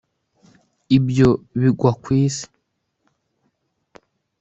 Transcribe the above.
Ibyo bigwa ku isi